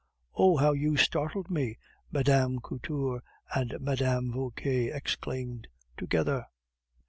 "Oh! how you startled me!" Mme. Couture and Mme. Vauquer exclaimed together.